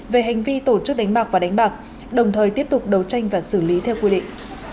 về hành vi tổ chức đánh bạc và đánh bạc đồng thời tiếp tục đấu tranh và xử lý theo quy định